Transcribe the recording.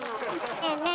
ねえねえ